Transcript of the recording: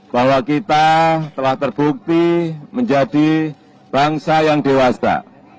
bahwa kita telah terbukti menjadi bangsa yang dewasa